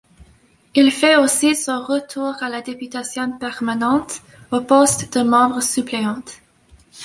Il fait aussi son retour à la députation permanente, au poste de membre suppléant.